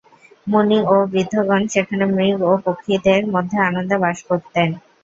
মুনি ও বৃদ্ধগণ সেখানে মৃগ ও পক্ষীদের মধ্যে আনন্দে বাস করিতেন।